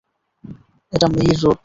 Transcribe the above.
এটা মেইর রোড।